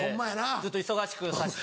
ずっと忙しくさせて。